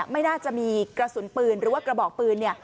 ไม่น่าจะมีกระสุนปืนหรือว่ากระบอกปืน